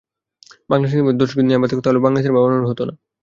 বাংলা সিনেমার দর্শক যদি নাইবা থাকত, তাহলে বাংলা সিনেমা বানানো হতো না।